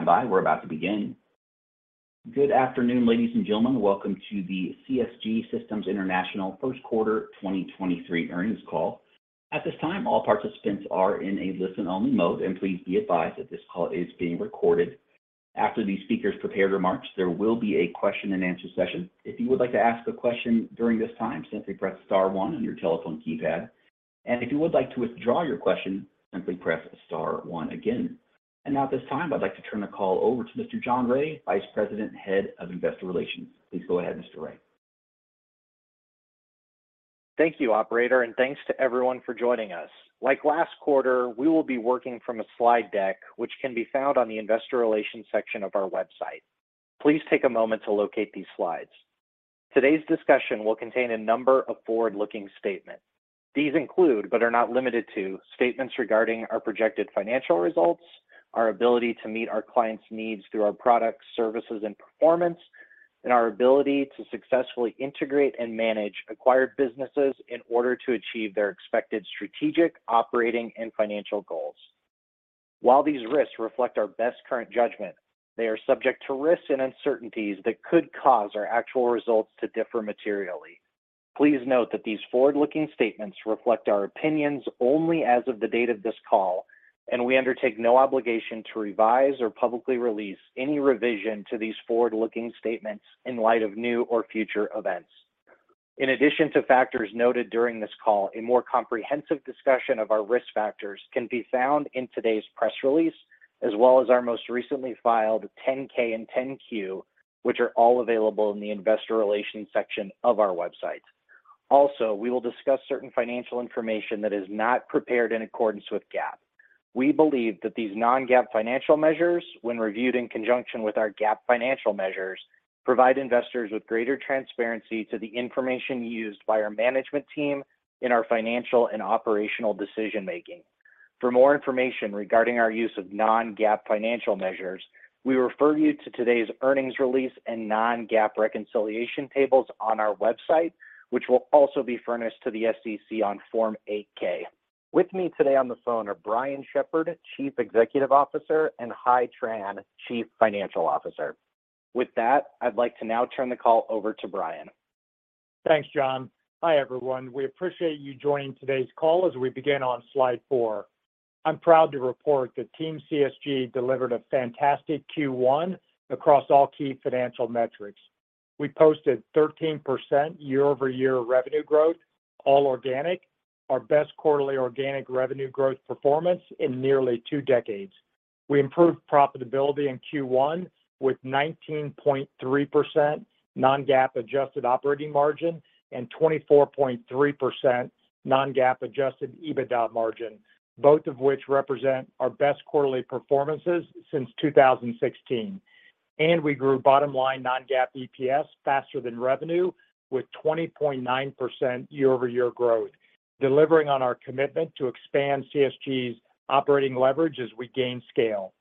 Stand by. We're about to begin. Good afternoon, ladies and gentlemen. Welcome to the CSG Systems International first quarter 2023 earnings call. At this time, all participants are in a listen-only mode. Please be advised that this call is being recorded. After the speakers' prepared remarks, there will be a question-and-answer session. If you would like to ask a question during this time, simply press star one on your telephone keypad. If you would like to withdraw your question, simply press star one again. Now at this time, I'd like to turn the call over to Mr. John Rea, Vice President, Head of Investor Relations. Please go ahead, Mr. Rea. Thank you, operator, and thanks to everyone for joining us. Like last quarter, we will be working from a slide deck which can be found on the investor relations section of our website. Please take a moment to locate these slides. Today's discussion will contain a number of forward-looking statements. These include, but are not limited to, statements regarding our projected financial results, our ability to meet our clients' needs through our products, services, and performance, and our ability to successfully integrate and manage acquired businesses in order to achieve their expected strategic, operating, and financial goals. While these risks reflect our best current judgment, they are subject to risks and uncertainties that could cause our actual results to differ materially. Please note that these forward-looking statements reflect our opinions only as of the date of this call, and we undertake no obligation to revise or publicly release any revision to these forward-looking statements in light of new or future events. In addition to factors noted during this call, a more comprehensive discussion of our risk factors can be found in today's press release, as well as our most recently filed 10-K and 10-Q, which are all available in the investor relations section of our website. Also, we will discuss certain financial information that is not prepared in accordance with GAAP. We believe that these non-GAAP financial measures, when reviewed in conjunction with our GAAP financial measures, provide investors with greater transparency to the information used by our management team in our financial and operational decision-making. For more information regarding our use of non-GAAP financial measures, we refer you to today's earnings release and non-GAAP reconciliation tables on our website, which will also be furnished to the SEC on Form 8-K. With me today on the phone are Brian Shepherd, Chief Executive Officer, and Hai Tran, Chief Financial Officer. I'd like to now turn the call over to Brian. Thanks, John. Hi, everyone. We appreciate you joining today's call as we begin on slide 4. I'm proud to report that Team CSG delivered a fantastic Q one across all key financial metrics. We posted 13% year-over-year revenue growth, all organic, our best quarterly organic revenue growth performance in nearly two decades. We improved profitability in Q1 with 19.3% non-GAAP adjusted operating margin and 24.3% non-GAAP adjusted EBITDA margin, both of which represent our best quarterly performances since 2016. We grew bottom-line non-GAAP EPS faster than revenue with 20.9% year-over-year growth, delivering on our commitment to expand CSG's operating leverage as we gain scale.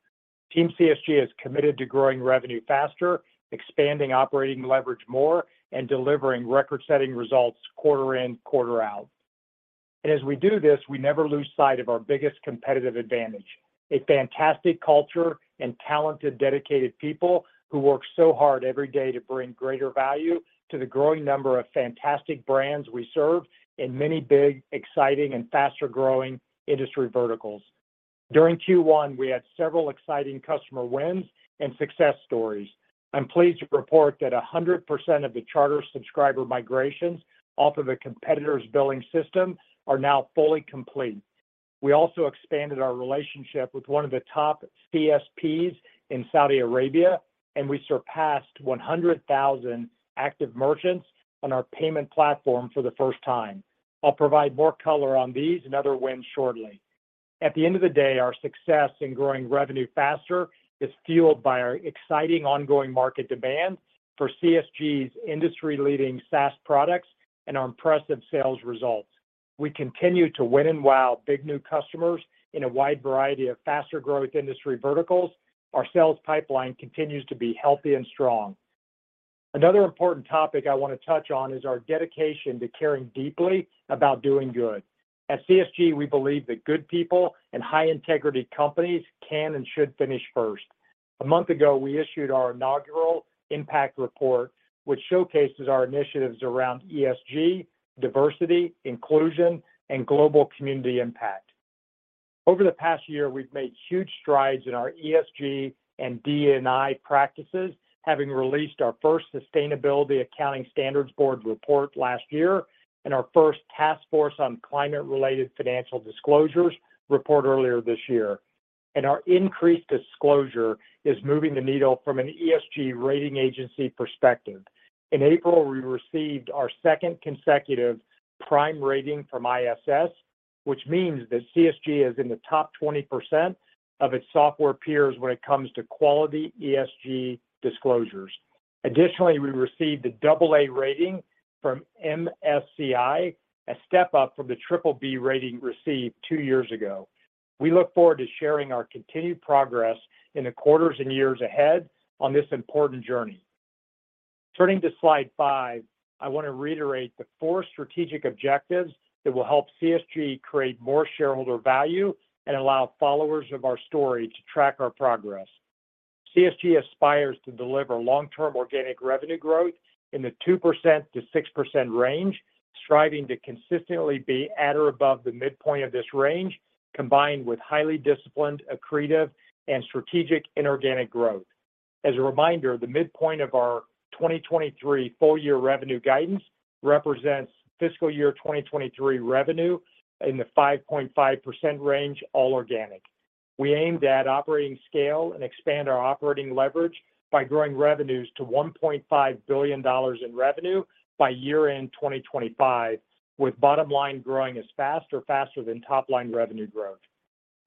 Team CSG is committed to growing revenue faster, expanding operating leverage more, and delivering record-setting results quarter in, quarter out. As we do this, we never lose sight of our biggest competitive advantage, a fantastic culture and talented, dedicated people who work so hard every day to bring greater value to the growing number of fantastic brands we serve in many big, exciting, and faster-growing industry verticals. During Q1, we had several exciting customer wins and success stories. I'm pleased to report that 100% of the Charter subscriber migrations off of a competitor's billing system are now fully complete. We also expanded our relationship with one of the top CSPs in Saudi Arabia, and we surpassed 100,000 active merchants on our payment platform for the first time. I'll provide more color on these and other wins shortly. At the end of the day, our success in growing revenue faster is fueled by our exciting ongoing market demand for CSG's industry-leading SaaS products and our impressive sales results. We continue to win and wow big new customers in a wide variety of faster-growth industry verticals. Our sales pipeline continues to be healthy and strong. Another important topic I want to touch on is our dedication to caring deeply about doing good. At CSG, we believe that good people and high-integrity companies can and should finish first. A month ago, we issued our inaugural impact report, which showcases our initiatives around ESG, diversity, inclusion, and global community impact. Over the past year, we've made huge strides in our ESG and DE&I practices, having released our first Sustainability Accounting Standards Board report last year and our first Task Force on Climate-related Financial Disclosures report earlier this year. Our increased disclosure is moving the needle from an ESG rating agency perspective. In April, we received our second consecutive Prime rating from ISS, which means that CSG is in the top 20% of its software peers when it comes to quality ESG disclosures. Additionally, we received an AA rating from MSCI, a step up from the BBB rating received two years ago. We look forward to sharing our continued progress in the quarters and years ahead on this important journey. Turning to slide five, I want to reiterate the four strategic objectives that will help CSG create more shareholder value and allow followers of our story to track our progress. CSG aspires to deliver long-term organic revenue growth in the 2%-6% range, striving to consistently be at or above the midpoint of this range, combined with highly disciplined, accretive, and strategic inorganic growth. As a reminder, the midpoint of our 2023 full year revenue guidance represents fiscal year 2023 revenue in the 5.5% range, all organic. We aim to add operating scale and expand our operating leverage by growing revenues to $1.5 billion in revenue by year-end 2025, with bottom line growing as fast or faster than top line revenue growth.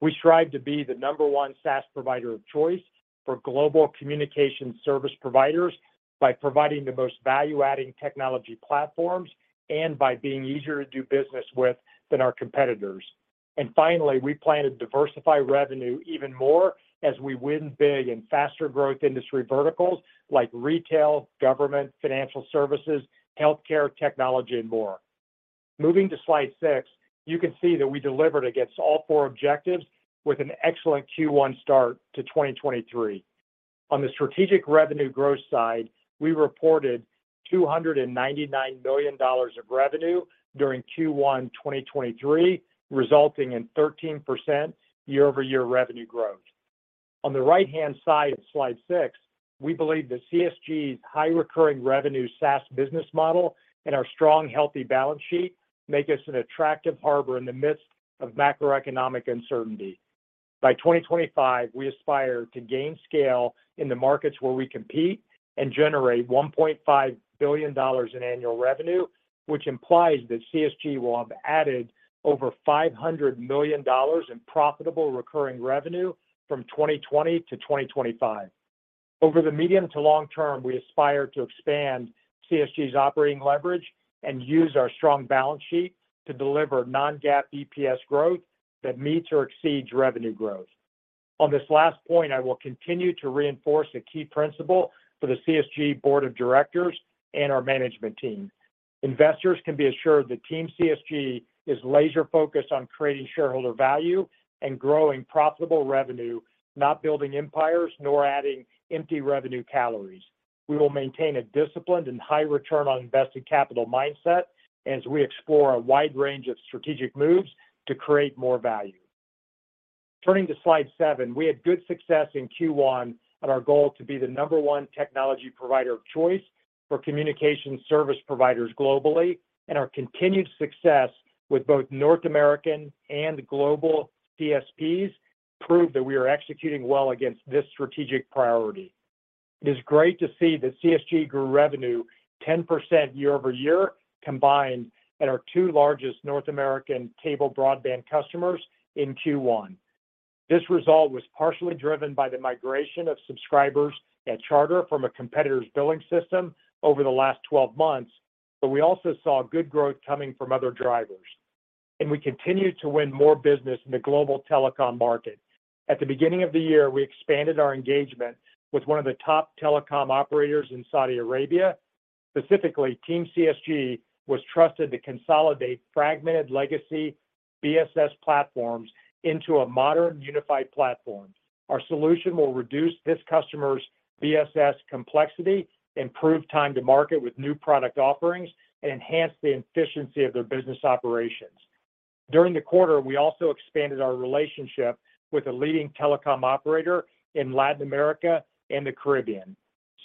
We strive to be the number 1 SaaS provider of choice for global Communications Service Providers by providing the most value-adding technology platforms and by being easier to do business with than our competitors. Finally, we plan to diversify revenue even more as we win big in faster growth industry verticals like retail, government, financial services, healthcare, technology, and more. Moving to slide six, you can see that we delivered against all four objectives with an excellent Q1 start to 2023. On the strategic revenue growth side, we reported $299 million of revenue during Q1 2023, resulting in 13% year-over-year revenue growth. On the right-hand side of slide six, we believe that CSG's high recurring revenue SaaS business model and our strong, healthy balance sheet make us an attractive harbor in the midst of macroeconomic uncertainty. By 2025, we aspire to gain scale in the markets where we compete and generate $1.5 billion in annual revenue, which implies that CSG will have added over $500 million in profitable recurring revenue from 2020 to 2025. Over the medium to long term, we aspire to expand CSG's operating leverage and use our strong balance sheet to deliver non-GAAP EPS growth that meets or exceeds revenue growth. On this last point, I will continue to reinforce a key principle for the CSG board of directors and our management team. Investors can be assured that team CSG is laser-focused on creating shareholder value and growing profitable revenue, not building empires, nor adding empty revenue calories. We will maintain a disciplined and high return on invested capital mindset as we explore a wide range of strategic moves to create more value. Turning to slide 7, we had good success in Q1 on our goal to be the number one technology provider of choice for Communications Service Providers globally, and our continued success with both North American and global DSPs prove that we are executing well against this strategic priority. It is great to see that CSG grew revenue 10% year-over-year combined at our 2 largest North American cable broadband customers in Q1. This result was partially driven by the migration of subscribers at Charter from a competitor's billing system over the last 12 months, but we also saw good growth coming from other drivers. We continued to win more business in the global telecom market. At the beginning of the year, we expanded our engagement with 1 of the top telecom operators in Saudi Arabia. Specifically, Team CSG was trusted to consolidate fragmented legacy BSS platforms into a modern, unified platform. Our solution will reduce this customer's BSS complexity, improve time to market with new product offerings, and enhance the efficiency of their business operations. During the quarter, we also expanded our relationship with a leading telecom operator in Latin America and the Caribbean.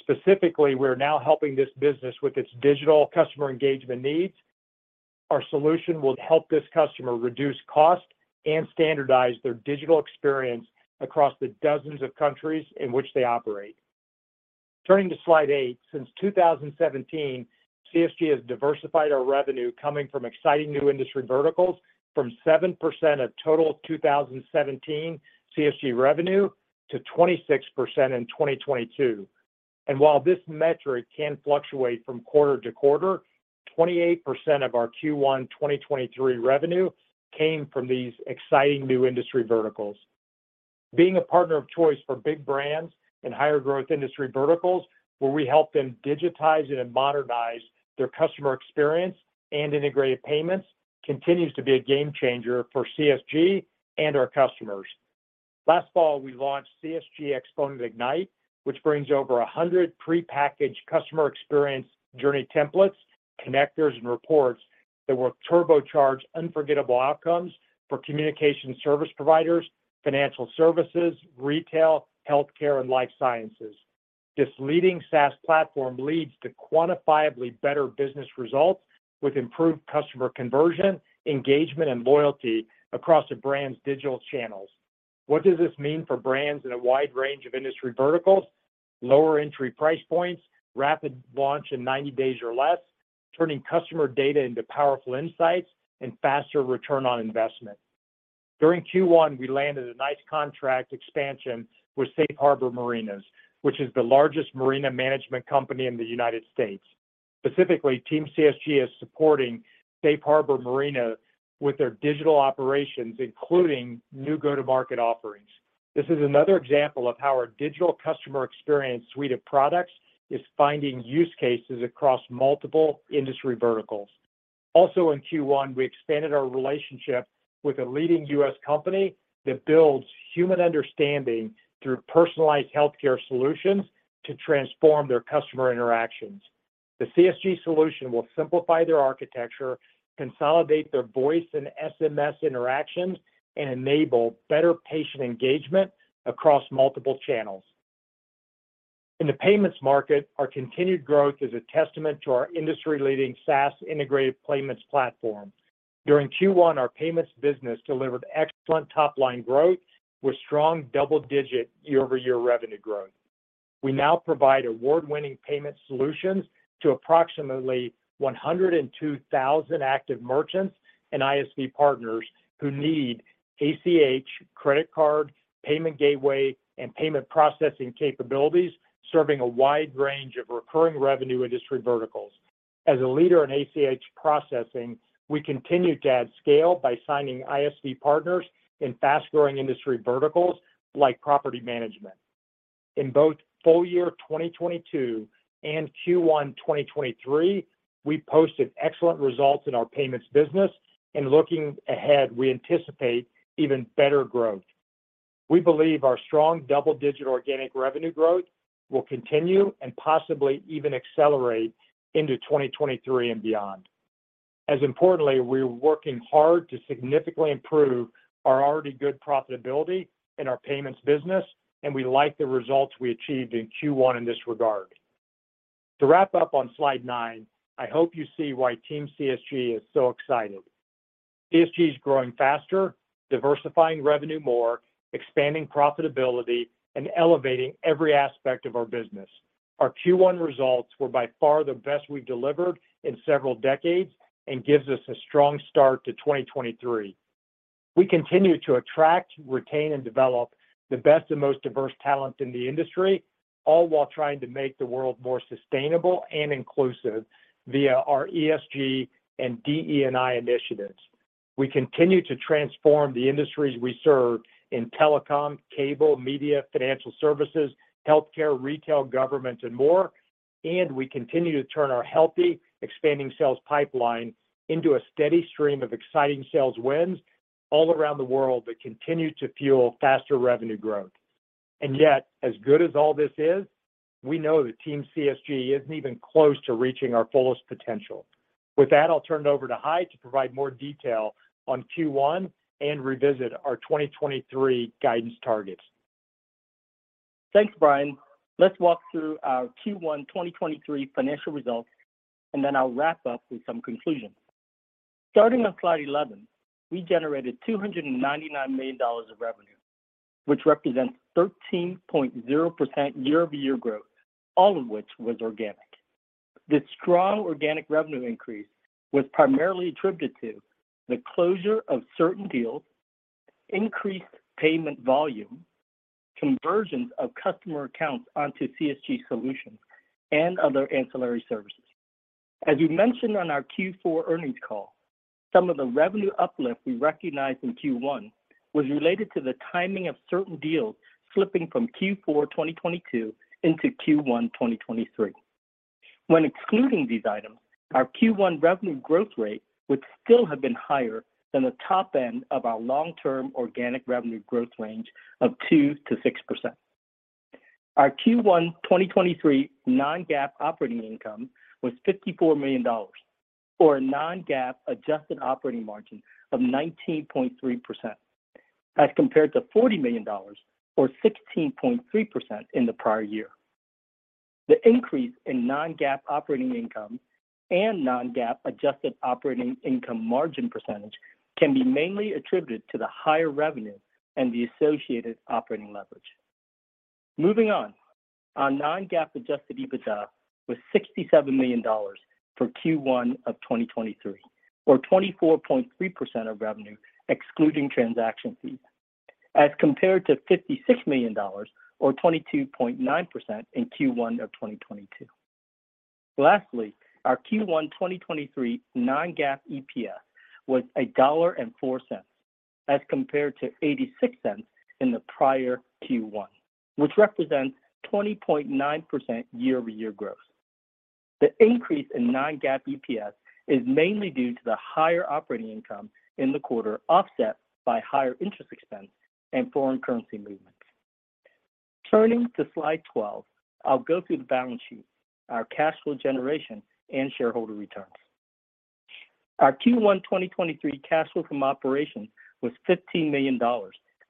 Specifically, we are now helping this business with its digital customer engagement needs. Our solution will help this customer reduce cost and standardize their digital experience across the dozens of countries in which they operate. Turning to slide 8, since 2017, CSG has diversified our revenue coming from exciting new industry verticals from 7% of total 2017 CSG revenue to 26% in 2022. While this metric can fluctuate from quarter to quarter, 28% of our Q1 2023 revenue came from these exciting new industry verticals. Being a partner of choice for big brands in higher growth industry verticals, where we help them digitize and modernize their customer experience and integrated payments, continues to be a game changer for CSG and our customers. Last fall, we launched CSG Xponent Ignite, which brings over 100 prepackaged customer experience journey templates, connectors, and reports that will turbocharge unforgettable outcomes for Communications Service Providers, financial services, retail, healthcare, and life sciences. This leading SaaS platform leads to quantifiably better business results with improved customer conversion, engagement, and loyalty across a brand's digital channels. What does this mean for brands in a wide range of industry verticals? Lower entry price points, rapid launch in 90 days or less, turning customer data into powerful insights, and faster ROI. During Q1, we landed a nice contract expansion with Safe Harbor Marinas, which is the largest marina management company in the U.S. Specifically, Team CSG is supporting Safe Harbor Marinas with their digital operations, including new go-to-market offerings. This is another example of how our digital customer experience suite of products is finding use cases across multiple industry verticals. In Q1, we expanded our relationship with a leading U.S. company that builds human understanding through personalized healthcare solutions to transform their customer interactions. The CSG solution will simplify their architecture, consolidate their voice and SMS interactions, and enable better patient engagement across multiple channels. In the payments market, our continued growth is a testament to our industry-leading SaaS integrated payments platform. During Q1, our payments business delivered excellent top-line growth with strong double-digit year-over-year revenue growth. We now provide award-winning payment solutions to approximately 102,000 active merchants and ISV partners who need ACH credit card, payment gateway, and payment processing capabilities, serving a wide range of recurring revenue industry verticals. As a leader in ACH processing, we continue to add scale by signing ISV partners in fast-growing industry verticals like property management. In both full year 2022 and Q1 2023, we posted excellent results in our payments business. Looking ahead, we anticipate even better growth. We believe our strong double-digit organic revenue growth will continue and possibly even accelerate into 2023 and beyond. As importantly, we're working hard to significantly improve our already good profitability in our payments business. We like the results we achieved in Q1 in this regard. To wrap up on slide 9, I hope you see why Team CSG is so excited. CSG is growing faster, diversifying revenue more, expanding profitability, and elevating every aspect of our business. Our Q1 results were by far the best we've delivered in several decades and gives us a strong start to 2023. We continue to attract, retain, and develop the best and most diverse talent in the industry, all while trying to make the world more sustainable and inclusive via our ESG and DE&I initiatives. We continue to transform the industries we serve in telecom, cable, media, financial services, healthcare, retail, government, and more. We continue to turn our healthy, expanding sales pipeline into a steady stream of exciting sales wins all around the world that continue to fuel faster revenue growth. Yet, as good as all this is, we know that Team CSG isn't even close to reaching our fullest potential. With that, I'll turn it over to Hai to provide more detail on Q1 and revisit our 2023 guidance targets. Thanks, Brian. Let's walk through our Q1 2023 financial results, and then I'll wrap up with some conclusions. Starting on slide 11, we generated $299 million of revenue, which represents 13.0% year-over-year growth, all of which was organic. This strong organic revenue increase was primarily attributed to the closure of certain deals, increased payment volume, conversions of customer accounts onto CSG solutions, and other ancillary services. As we mentioned on our Q4 earnings call, some of the revenue uplift we recognized in Q1 was related to the timing of certain deals slipping from Q4 2022 into Q1 2023. When excluding these items, our Q1 revenue growth rate would still have been higher than the top end of our long-term organic revenue growth range of 2%-6%. Our Q1 2023 non-GAAP operating income was $54 million or a non-GAAP adjusted operating margin of 19.3% as compared to $40 million or 16.3% in the prior year. The increase in non-GAAP operating income and non-GAAP adjusted operating income margin % can be mainly attributed to the higher revenue and the associated operating leverage. Moving on. Our non-GAAP adjusted EBITDA was $67 million for Q1 of 2023 or 24.3% of revenue, excluding transaction fees, as compared to $56 million or 22.9% in Q1 of 2022. Lastly, our Q1 2023 non-GAAP EPS was $1.04 as compared to $0.86 in the prior Q1, which represents 20.9% year-over-year growth. The increase in non-GAAP EPS is mainly due to the higher operating income in the quarter, offset by higher interest expense and foreign currency movements. Turning to slide 12, I'll go through the balance sheet, our cash flow generation, and shareholder returns. Our Q1 2023 cash flow from operation was $15 million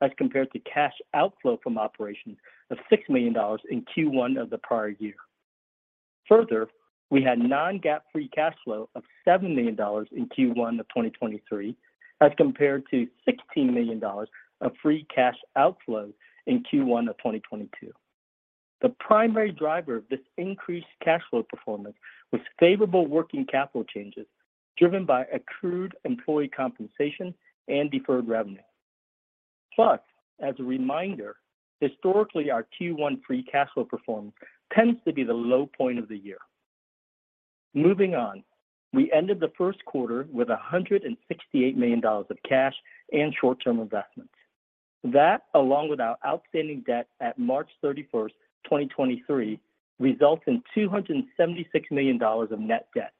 as compared to cash outflow from operation of $6 million in Q1 of the prior year. We had non-GAAP free cash flow of $7 million in Q1 of 2023 as compared to $16 million of free cash outflow in Q1 of 2022. The primary driver of this increased cash flow performance was favorable working capital changes driven by accrued employee compensation and deferred revenue. As a reminder, historically our Q1 free cash flow performance tends to be the low point of the year. Moving on, we ended the first quarter with $168 million of cash and short-term investments. That, along with our outstanding debt at March 31st, 2023, results in $276 million of net debt,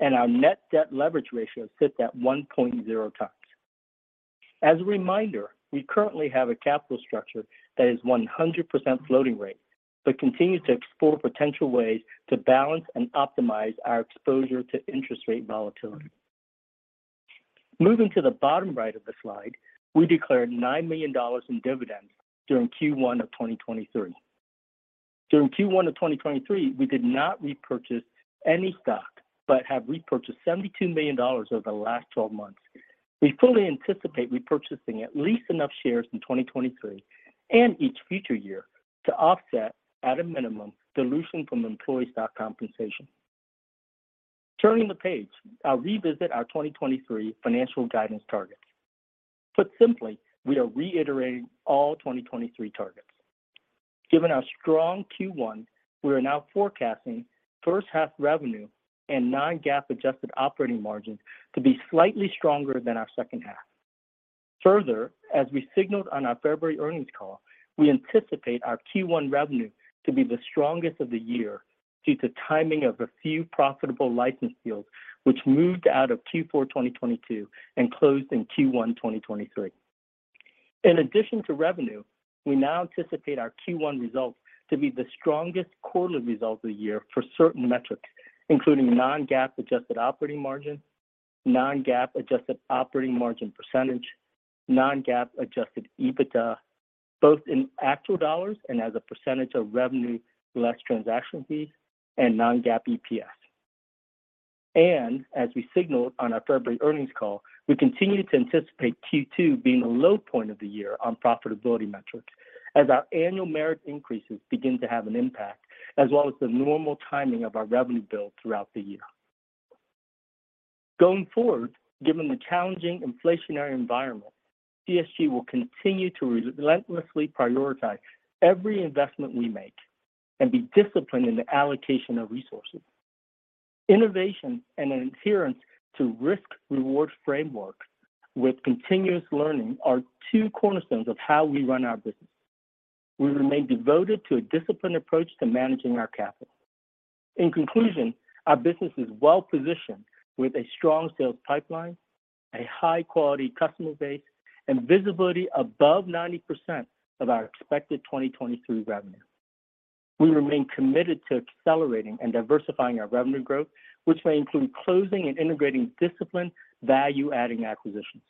and our net debt leverage ratio sits at 1.0 times. As a reminder, we currently have a capital structure that is 100% floating rate, but continue to explore potential ways to balance and optimize our exposure to interest rate volatility. Moving to the bottom right of the slide, we declared $9 million in dividends during Q1 of 2023. During Q1 of 2023, we did not repurchase any stock, but have repurchased $72 million over the last 12 months. We fully anticipate repurchasing at least enough shares in 2023, and each future year, to offset at a minimum dilution from employee stock compensation. Turning the page, I'll revisit our 2023 financial guidance targets. Put simply, we are reiterating all 2023 targets. Given our strong Q1, we are now forecasting first half revenue and non-GAAP adjusted operating margins to be slightly stronger than our second half. As we signaled on our February earnings call, we anticipate our Q1 revenue to be the strongest of the year due to timing of a few profitable license deals which moved out of Q4 2022 and closed in Q1 2023. In addition to revenue, we now anticipate our Q1 results to be the strongest quarterly results of the year for certain metrics, including non-GAAP adjusted operating margin, non-GAAP adjusted operating margin percentage, non-GAAP adjusted EBITDA, both in actual dollars and as a percentage of revenue less transaction fees, and non-GAAP EPS. As we signaled on our February earnings call, we continue to anticipate Q2 being a low point of the year on profitability metrics as our annual merit increases begin to have an impact, as well as the normal timing of our revenue bill throughout the year. Going forward, given the challenging inflationary environment, CSG will continue to relentlessly prioritize every investment we make and be disciplined in the allocation of resources. Innovation and an adherence to risk-reward framework with continuous learning are two cornerstones of how we run our business. We remain devoted to a disciplined approach to managing our capital. In conclusion, our business is well-positioned with a strong sales pipeline, a high-quality customer base, and visibility above 90% of our expected 2023 revenue. We remain committed to accelerating and diversifying our revenue growth, which may include closing and integrating disciplined value-adding acquisitions.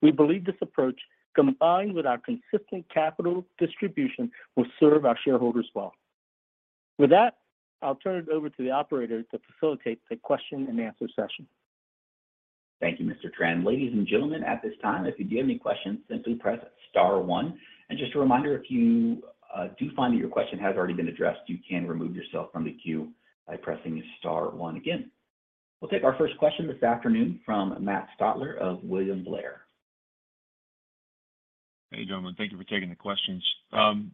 We believe this approach, combined with our consistent capital distribution, will serve our shareholders well. With that, I'll turn it over to the operator to facilitate the question and answer session. Thank you, Mr. Tran. Ladies and gentlemen, at this time, if you do have any questions, simply press star one. Just a reminder, if you do find that your question has already been addressed, you can remove yourself from the queue by pressing star one again. We'll take our first question this afternoon from Matt Stotler of William Blair. Hey, gentlemen. Thank you for taking the questions.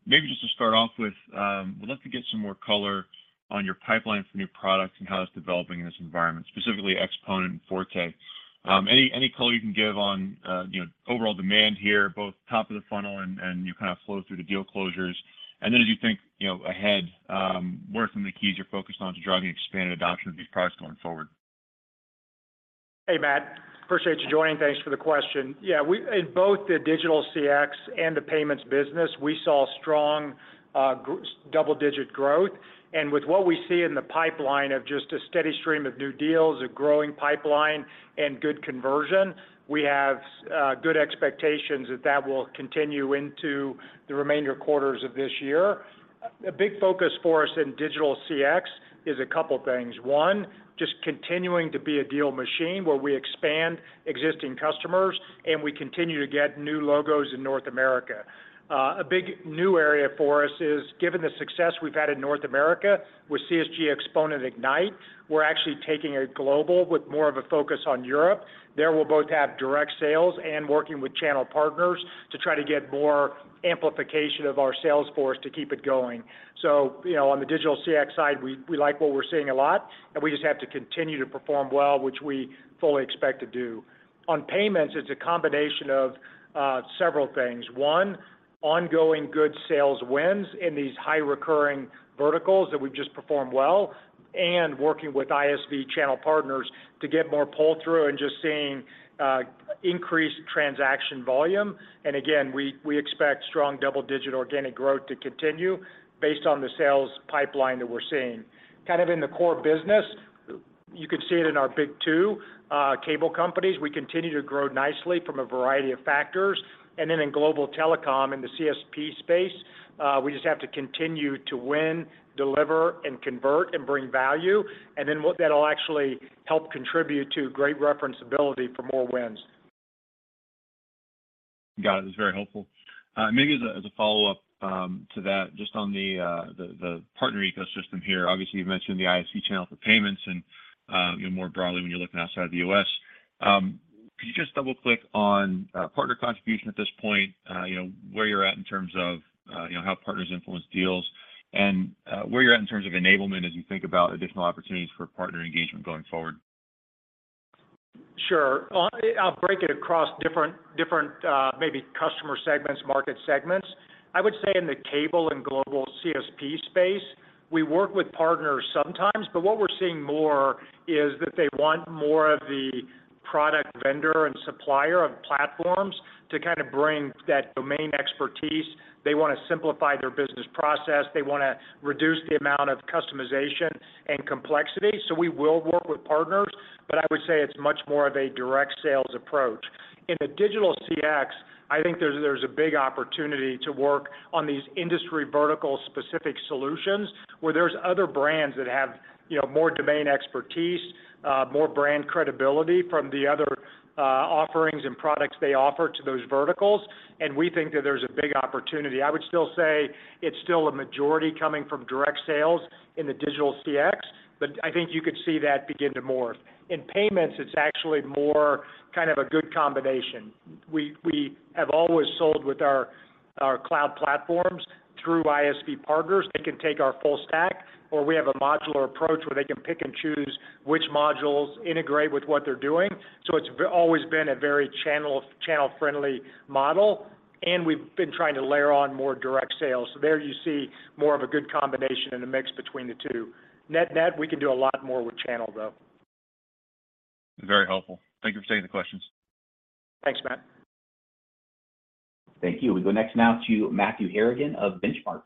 Maybe just to start off with, would love to get some more color on your pipeline for new products and how it's developing in this environment, specifically Xponent and Forte. Any color you can give on, you know, overall demand here, both top of the funnel and you kind of flow through the deal closures. As you think, you know, ahead, what are some of the keys you're focused on to driving expanded adoption of these products going forward? Hey, Matt. Appreciate you joining. Thanks for the question. Yeah, we in both the digital CX and the payments business, we saw strong double-digit growth. With what we see in the pipeline of just a steady stream of new deals, a growing pipeline, and good conversion, we have good expectations that that will continue into the remainder quarters of this year. A big focus for us in digital CX is a couple things. One, just continuing to be a deal machine where we expand existing customers, and we continue to get new logos in North America. A big new area for us is given the success we've had in North America with CSG Xponent Ignite, we're actually taking it global with more of a focus on Europe. There we'll both have direct sales and working with channel partners to try to get more amplification of our sales force to keep it going. You know, on the digital CX side, we like what we're seeing a lot, and we just have to continue to perform well, which we fully expect to do. On payments, it's a combination of several things. One, ongoing good sales wins in these high recurring verticals that we've just performed well and working with ISV channel partners to get more pull-through and just seeing increased transaction volume. Again, we expect strong double-digit organic growth to continue based on the sales pipeline that we're seeing. Kind of in the core business, you could see it in our big two cable companies. We continue to grow nicely from a variety of factors. In global telecom, in the CSP space, we just have to continue to win, deliver, and convert, and bring value. That'll actually help contribute to great reference ability for more wins. Got it. That's very helpful. maybe as a follow-up to that, just on the partner ecosystem here. Obviously, you've mentioned the ISV channel for payments and, you know, more broadly when you're looking outside the U.S. Could you just double click on partner contribution at this point? You know, where you're at in terms of, you know, how partners influence deals and, where you're at in terms of enablement as you think about additional opportunities for partner engagement going forward. Sure. Well, I'll break it across different, maybe customer segments, market segments. I would say in the cable and global CSP space, we work with partners sometimes, but what we're seeing more is that they want more of the product vendor and supplier of platforms to kind of bring that domain expertise. They wanna simplify their business process. They wanna reduce the amount of customization and complexity. We will work with partners, but I would say it's much more of a direct sales approach. In the digital CX, I think there's a big opportunity to work on these industry vertical specific solutions, where there's other brands that have, you know, more domain expertise, more brand credibility from the other, offerings and products they offer to those verticals. We think that there's a big opportunity. I would still say it's still a majority coming from direct sales in the digital CX, but I think you could see that begin to morph. Payments, it's actually more kind of a good combination. We have always sold with our cloud platforms through ISV partners that can take our full stack, or we have a modular approach where they can pick and choose which modules integrate with what they're doing. It's always been a very channel-friendly model, and we've been trying to layer on more direct sales. There you see more of a good combination and a mix between the two. Net, net, we can do a lot more with channel though. Very helpful. Thank you for taking the questions. Thanks, Matt. Thank you. We go next now to Matthew Harrigan of Benchmark.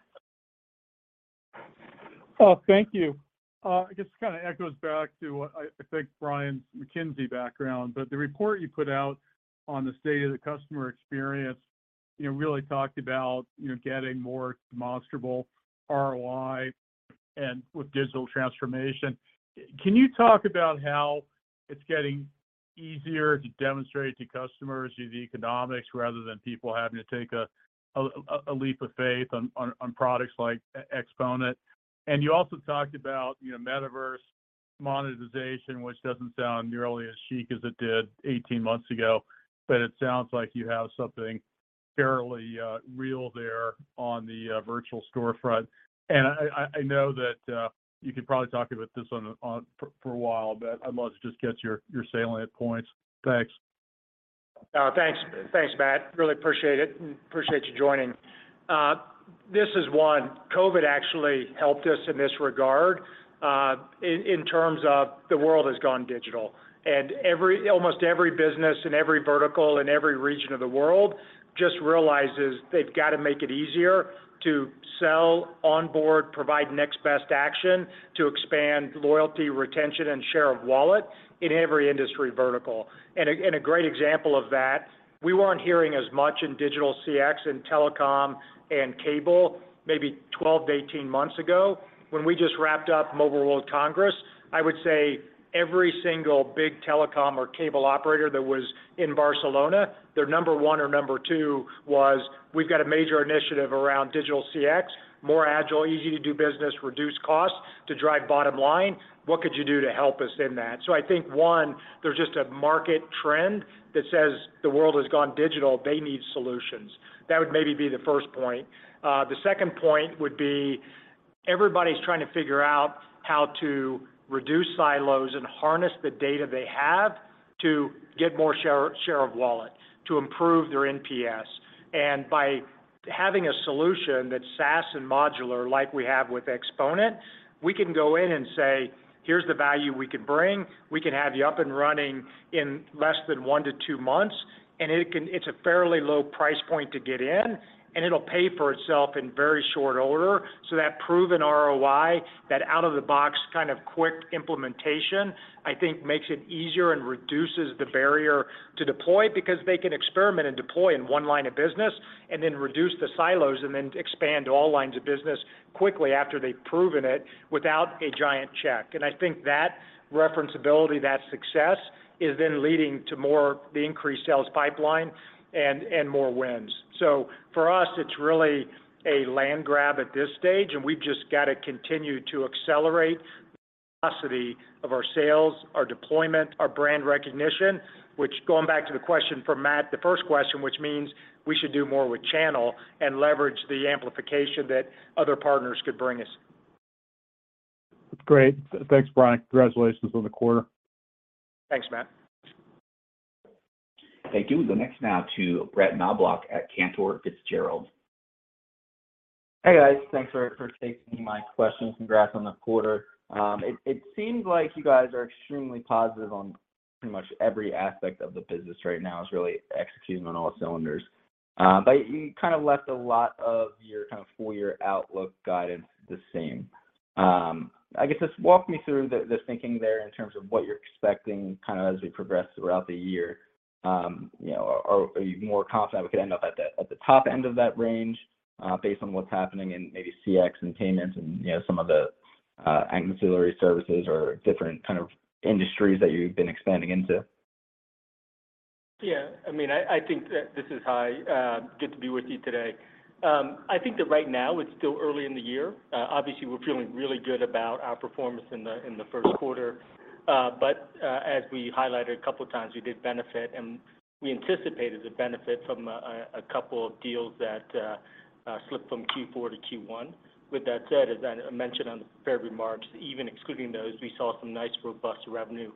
Oh, thank you. I guess it kind of echoes back to what I think Brian McKinsey background, but the report you put out on the state of the customer experience, you know, really talked about, you know, getting more demonstrable ROI and with digital transformation. Can you talk about how it's getting easier to demonstrate to customers the economics rather than people having to take a leap of faith on products like Xponent? You also talked about, you know, metaverse monetization, which doesn't sound nearly as chic as it did 18 months ago, but it sounds like you have something fairly real there on the virtual storefront. I know that you could probably talk about this for a while, but I'd love to just get your salient points. Thanks. Thanks. Thanks, Matt. Really appreciate it, and appreciate you joining. This is one, COVID actually helped us in this regard, in terms of the world has gone digital. Almost every business in every vertical, in every region of the world just realizes they've got to make it easier to sell, onboard, provide next best action to expand loyalty, retention, and share of wallet in every industry vertical. A great example of that, we weren't hearing as much in digital CX in telecom and cable maybe 12-18 months ago. When we just wrapped up Mobile World Congress, I would say every single big telecom or cable operator that was in Barcelona, their number one or number two was, "We've got a major initiative around digital CX, more agile, easy to do business, reduce costs to drive bottom line. What could you do to help us in that?" I think, 1, there's just a market trend that says the world has gone digital. They need solutions. That would maybe be the first point. The second point would be everybody's trying to figure out how to reduce silos and harness the data they have to get more share of wallet, to improve their NPS. By having a solution that's SaaS and modular like we have with Xponent, we can go in and say, "Here's the value we can bring. We can have you up and running in less than 1-2 months, and it can... it's a fairly low price point to get in, and it'll pay for itself in very short order. That proven ROI, that out-of-the-box kind of quick implementation, I think makes it easier and reduces the barrier to deploy because they can experiment and deploy in one line of business and then reduce the silos and then expand all lines of business quickly after they've proven it without a giant check. I think that reference-ability, that success is then leading to more the increased sales pipeline and more wins. For us, it's really a land grab at this stage, and we've just got to continue to accelerate the capacity of our sales, our deployment, our brand recognition, which going back to the question from Matt, the first question, which means we should do more with channel and leverage the amplification that other partners could bring us. Great. Thanks, Brian. Congratulations on the quarter. Thanks, Matt. Thank you. We'll go next now to Brett Knoblauch at Cantor Fitzgerald. Hey, guys. Thanks for taking my questions. Congrats on the quarter. It seems like you guys are extremely positive on pretty much every aspect of the business right now. It's really executing on all cylinders. You kind of left a lot of your kind of full year outlook guidance the same. I guess just walk me through the thinking there in terms of what you're expecting kind of as we progress throughout the year. You know, are you more confident we could end up at the top end of that range, based on what's happening in maybe CX and payments and, you know, some of the ancillary services or different kind of industries that you've been expanding into? I mean, I think that this is Hai. Good to be with you today. I think that right now it's still early in the year. Obviously we're feeling really good about our performance in the first quarter. As we highlighted a couple times, we did benefit, and we anticipated the benefit from a couple of deals that slipped from Q4 to Q1. With that said, as I mentioned on the prepared remarks, even excluding those, we saw some nice robust revenue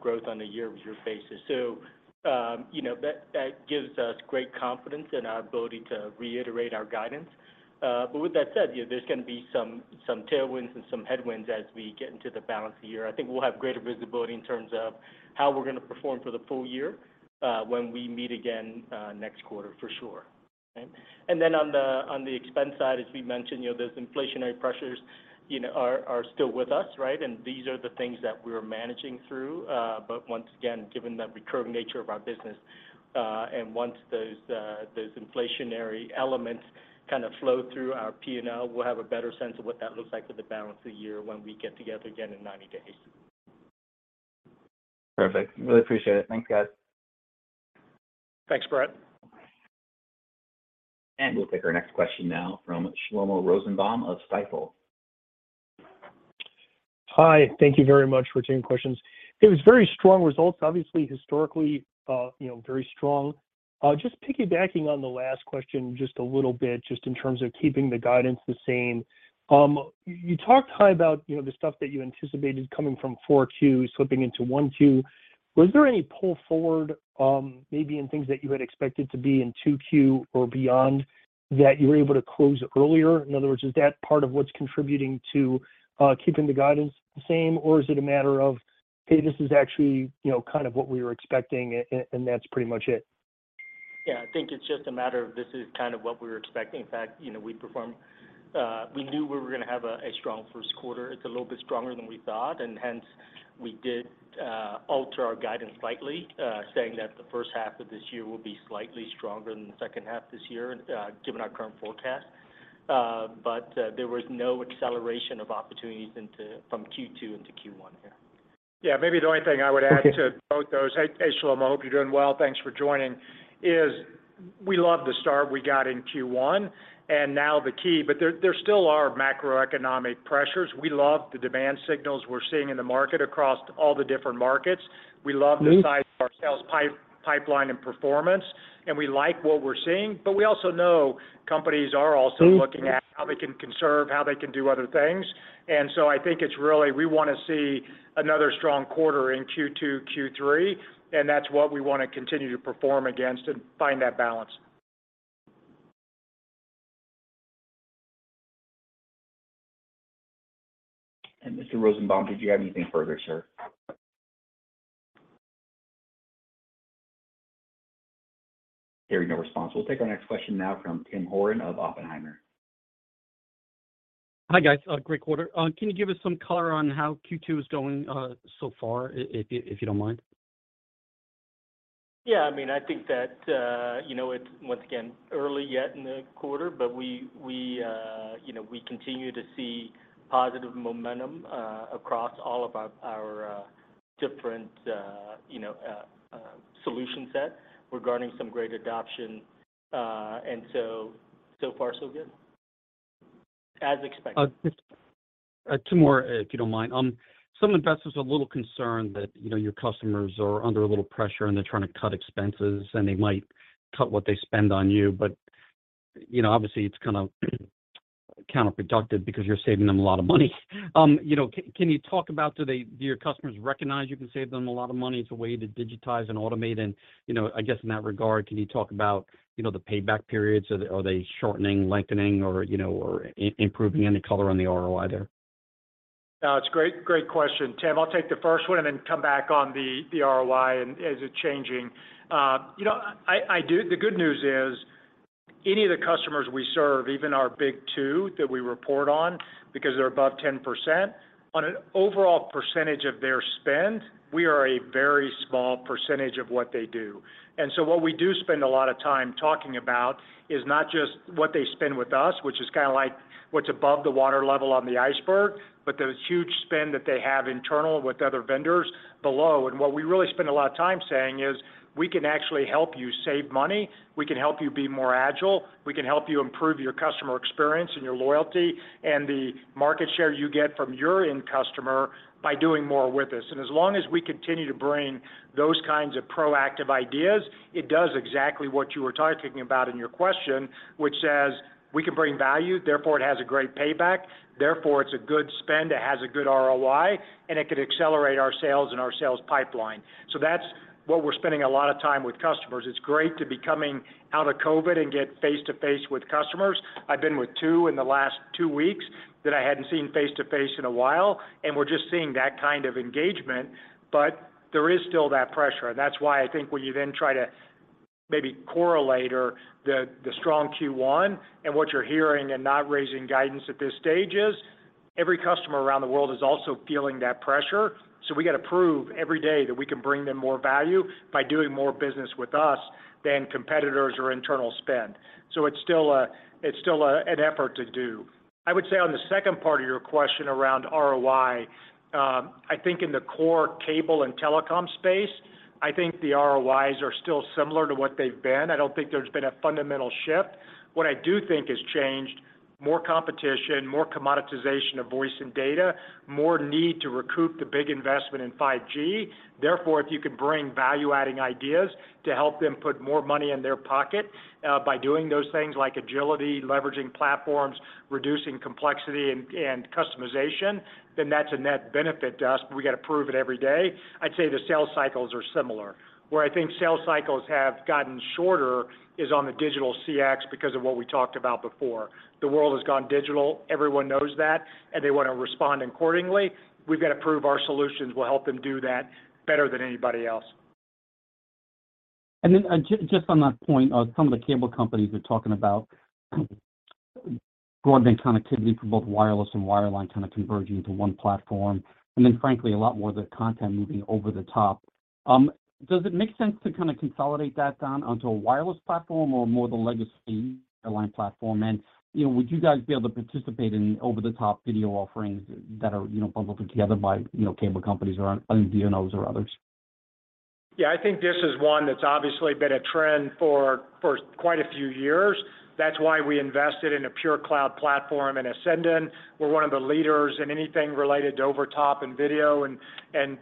growth on a year-over-year basis. You know, that gives us great confidence in our ability to reiterate our guidance. But with that said, you know, there's gonna be some tailwinds and some headwinds as we get into the balance of the year. I think we'll have greater visibility in terms of how we're gonna perform for the full year, when we meet again next quarter for sure. On the expense side, as we mentioned, you know, those inflationary pressures, you know, are still with us, right? These are the things that we're managing through. Once again, given the recurring nature of our business, and once those inflationary elements kind of flow through our P&L, we'll have a better sense of what that looks like for the balance of the year when we get together again in 90 days. Perfect. Really appreciate it. Thanks, guys. Thanks, Brett. We'll take our next question now from Shlomo Rosenbaum of Stifel. Hi. Thank you very much for taking the questions. It was very strong results, obviously historically, you know, very strong. Just piggybacking on the last question just a little bit, just in terms of keeping the guidance the same, you talked, Hai, about, you know, the stuff that you anticipated coming from four two slipping into one two. Was there any pull forward, maybe in things that you had expected to be in two Q or beyond, that you were able to close earlier? In other words, is that part of what's contributing to keeping the guidance the same? Or is it a matter of, hey, this is actually, you know, kind of what we were expecting and that's pretty much it? Yeah. I think it's just a matter of this is kind of what we were expecting. In fact, you know, we performed... We knew we were gonna have a strong first quarter. It's a little bit stronger than we thought, and hence, we did alter our guidance slightly, saying that the first half of this year will be slightly stronger than the second half this year, given our current forecast. There was no acceleration of opportunities from Q2 into Q1 here. Yeah. Maybe the only thing I would add. Okay... to both those... Hey, Shlomo, hope you're doing well. Thanks for joining, is we love the start we got in Q1, and now the key... There still are macroeconomic pressures. We love the demand signals we're seeing in the market across all the different markets. We love- Mm-hmm... the size of our sales pipeline and performance. We like what we're seeing. We also know companies are. Mm-hmm... looking at how they can conserve, how they can do other things. I think it's really, we wanna see another strong quarter in Q2, Q3, and that's what we wanna continue to perform against and find that balance. Mr. Rosenbaum, did you have anything further, sir? Hearing no response, we'll take our next question now from Tim Horan of Oppenheimer. Hi, guys. Great quarter. Can you give us some color on how Q2 is going, so far, if you don't mind? Yeah. I mean, I think that, you know, it's, once again, early yet in the quarter, but we, you know, we continue to see positive momentum, across all of our, different, you know, solution set regarding some great adoption. So far so good. As expected. Just two more, if you don't mind. Some investors are a little concerned that, you know, your customers are under a little pressure, and they're trying to cut expenses, and they might cut what they spend on you. You know, obviously it's kind of counterproductive because you're saving them a lot of money. You know, can you talk about do your customers recognize you can save them a lot of money? It's a way to digitize and automate and. You know, I guess in that regard, can you talk about, you know, the payback periods? Are they shortening, lengthening, or, you know, improving? Any color on the ROI there? It's great question, Tim. I'll take the first one and then come back on the ROI and is it changing. You know, the good news is any of the customers we serve, even our big two that we report on, because they're above 10%, on an overall percentage of their spend, we are a very small percentage of what they do. What we do spend a lot of time talking about is not just what they spend with us, which is kinda like what's above the water level on the iceberg, but the huge spend that they have internal with other vendors below. What we really spend a lot of time saying is, "We can actually help you save money. We can help you be more agile. We can help you improve your customer experience and your loyalty and the market share you get from your end customer by doing more with us." As long as we continue to bring those kinds of proactive ideas, it does exactly what you were talking about in your question, which says, we can bring value, therefore it has a great payback, therefore it's a good spend, it has a good ROI, and it could accelerate our sales and our sales pipeline. That's what we're spending a lot of time with customers. It's great to be coming out of COVID and get face-to-face with customers. I've been with two in the last two weeks that I hadn't seen face-to-face in a while, and we're just seeing that kind of engagement. There is still that pressure, and that's why I think when you then try to maybe correlate or the strong Q1 and what you're hearing and not raising guidance at this stage is, every customer around the world is also feeling that pressure. We gotta prove every day that we can bring them more value by doing more business with us than competitors or internal spend. It's still an effort to do. I would say on the second part of your question around ROI, I think in the core cable and telecom space, I think the ROIs are still similar to what they've been. I don't think there's been a fundamental shift. What I do think has changed, more competition, more commoditization of voice and data, more need to recoup the big investment in 5G. If you can bring value-adding ideas to help them put more money in their pocket, by doing those things like agility, leveraging platforms, reducing complexity and customization, then that's a net benefit to us, but we got to prove it every day. I'd say the sales cycles are similar. Where I think sales cycles have gotten shorter is on the digital CX because of what we talked about before. The world has gone digital, everyone knows that, and they wanna respond accordingly. We've got to prove our solutions will help them do that better than anybody else. Then, just on that point of some of the cable companies are talking about broadband connectivity for both wireless and wireline kind of converging into one platform, and then frankly, a lot more of the content moving over-the-top. Does it make sense to kind of consolidate that down onto a wireless platform or more the legacy line platform? You know, would you guys be able to participate in over-the-top video offerings that are, you know, bundled together by, you know, cable companies or other DNOs or others? Yeah, I think this is one that's obviously been a trend for quite a few years. That's why we invested in a pure cloud platform in Ascendon. We're one of the leaders in anything related to over-the-top and video and,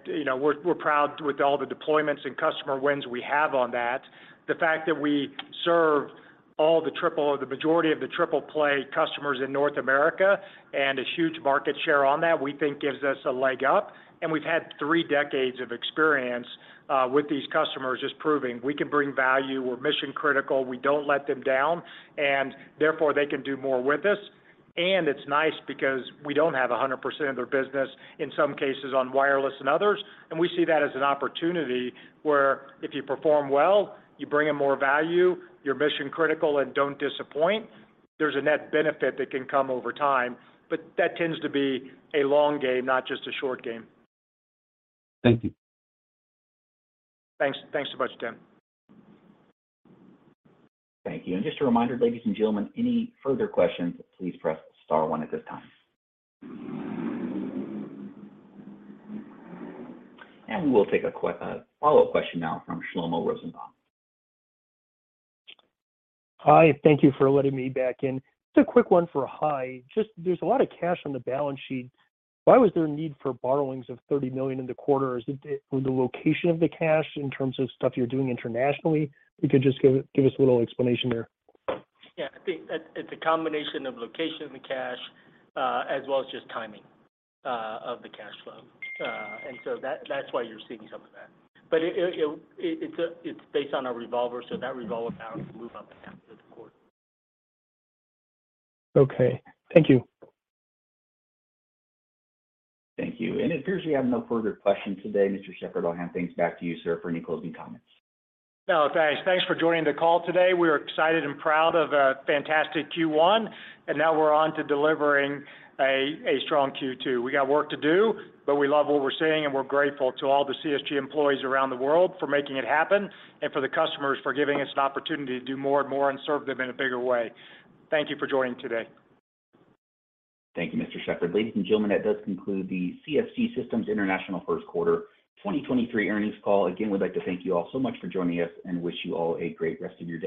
you know, we're proud with all the deployments and customer wins we have on that. The fact that we serve all the triple or the majority of the triple play customers in North America, and a huge market share on that, we think gives us a leg up. We've had three decades of experience with these customers, just proving we can bring value, we're mission critical. We don't let them down, and therefore, they can do more with us. It's nice because we don't have 100% of their business, in some cases, on wireless and others. We see that as an opportunity where if you perform well, you bring in more value, you're mission critical and don't disappoint, there's a net benefit that can come over time. That tends to be a long game, not just a short game. Thank you. Thanks. Thanks so much, Tim. Thank you. Just a reminder, ladies and gentlemen, any further questions, please press star 1 at this time. We will take a follow-up question now from Shlomo Rosenbaum. Hi, thank you for letting me back in. Just a quick one for Hai. Just there's a lot of cash on the balance sheet. Why was there a need for borrowings of $30 million in the quarter? Is it the location of the cash in terms of stuff you're doing internationally? If you could just give us a little explanation there. Yeah. I think it's a combination of location of the cash, as well as just timing, of the cash flow. That's why you're seeing some of that. It's based on our revolver, so that revolve balance can move up and down through the quarter. Okay. Thank you. Thank you. It appears we have no further questions today. Mr. Shepherd, I'll hand things back to you, sir, for any closing comments. No, thanks. Thanks for joining the call today. We're excited and proud of a fantastic Q1. Now we're on to delivering a strong Q2. We got work to do, but we love what we're seeing. We're grateful to all the CSG employees around the world for making it happen, for the customers for giving us an opportunity to do more and more and serve them in a bigger way. Thank you for joining today. Thank you, Mr. Shepherd. Ladies and gentlemen, that does conclude the CSG Systems International first quarter 2023 earnings call. We'd like to thank you all so much for joining us and wish you all a great rest of your day.